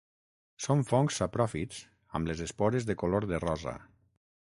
Són fongs sapròfits amb les espores de color de rosa.